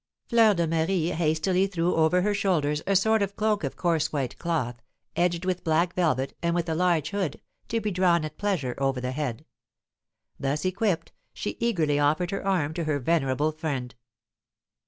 Fleur de Marie hastily threw over her shoulders a sort of cloak of coarse white cloth, edged with black velvet, and with a large hood, to be drawn at pleasure over the head. Thus equipped, she eagerly offered her arm to her venerable friend.